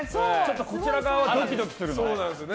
こちら側はドキドキするの。